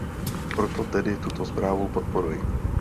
Proto tedy tuto zprávu podporuji.